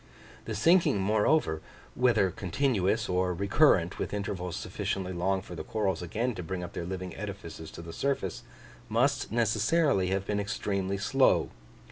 The sinking, moreover, whether continuous, or recurrent with intervals sufficiently long for the corals again to bring up their living edifices to the surface, must necessarily have been extremely slow.